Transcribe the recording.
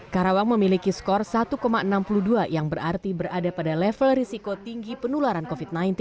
karawang memiliki skor satu enam puluh dua yang berarti berada pada level risiko